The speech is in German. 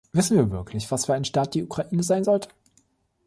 Wissen wir wirklich, was für ein Staat die Ukraine sein sollte?